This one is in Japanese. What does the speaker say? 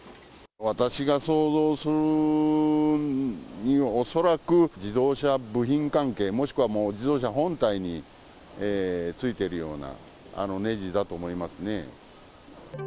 私が想像するに、恐らく自動車部品関係、もしくは自動車本体についてるようなねじだと思いますね。